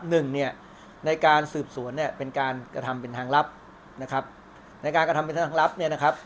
หนึ่งเนี่ยในการสืบสวนเนี่ยเป็นการกระทำเป็นทางลับนะครับในการกระทำเป็นทางลับเนี่ยนะครับ